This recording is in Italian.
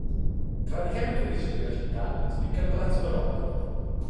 Tra i richiami turistici della città spicca il palazzo barocco.